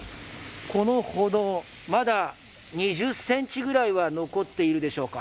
この歩道、まだ２０ｃｍぐらいは残っているでしょうか。